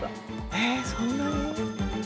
えっそんなに？